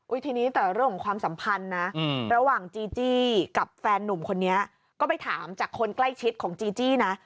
ทีนี้แต่เรื่องของความสัมพันธ์นะระหว่างจีจี้กับแฟนนุ่มคนนี้ก็ไปถามจากคนใกล้ชิดของจีจี้นะ